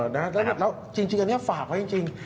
อ๋อนะครับแล้วจริงอันนี้ฝากไว้จริง